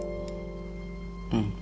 うん。